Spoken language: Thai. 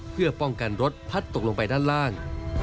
เพื่อป้องกันรถพัดตกลงไปด้านล่าง